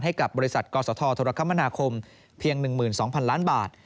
ให้กับบริษัทกศธรคมนาคมเพียง๑๒๐๐๐ล้านบาท